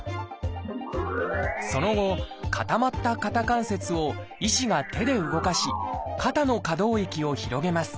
その後固まった肩関節を医師が手で動かし肩の可動域を広げます。